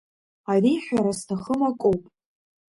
Ари ҳәара зҭахым акоуп.